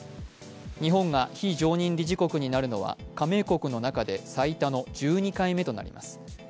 日本が非常任理事国になるのは加盟国の中で最多の１２回目となります。